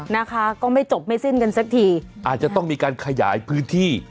นะคะก็ไม่จบไม่สิ้นกันสักทีอาจจะต้องมีการขยายพื้นที่